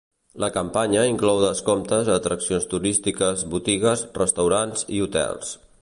La campanya inclou descomptes a atraccions turístiques, botigues, restaurants i hotels.